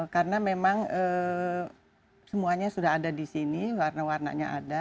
karena memang semuanya sudah ada di sini warna warnanya ada